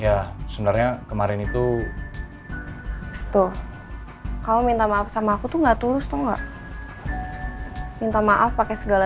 ya sebenarnya kemarin itu tuh kamu minta maaf sama aku tuh nggak tulus tunggu minta maaf pakai segala